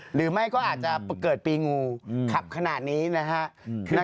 หรือไม่ก็อาจจะเกิดปีงูขับขนาดนี้นะฮะ